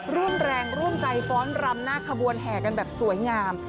ร่วมแรงร่วมใจฟ้อนรำหน้าขบวนแห่กันแบบสวยงาม